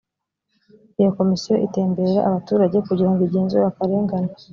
iyo komisiyo itemberera abaturage kugira ngo igenzure akarengane